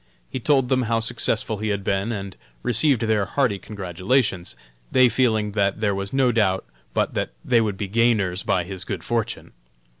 He told them how successful he had been, and received their hearty congratulations they feeling that there was no doubt but that they would be gainers by his good fortune.